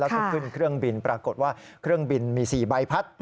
แล้วก็ขึ้นเครื่องบินปรากฏว่าเครื่องบินมี๔ใบพัด